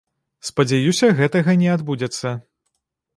Спадзяюся, гэтага не адбудзецца.